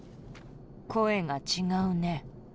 声が違うね。